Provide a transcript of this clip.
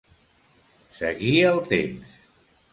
Seguir el temps.